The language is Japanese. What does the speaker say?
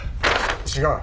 違う。